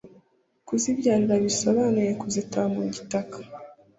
Kuzibyarira bisobanuye Kuzitaba mu gitaka